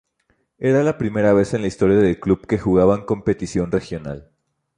Era la primera vez en la historia del club que jugaban competición regional.